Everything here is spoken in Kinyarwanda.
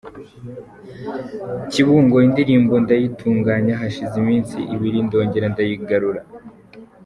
Kibungo indirimbo ndayitunganya hashize iminsi ibiri ndongera ndayigarura.